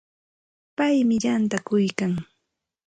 Paymi yantakuykan.